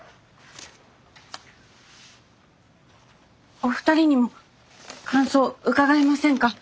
お二人にも感想を伺えませんか？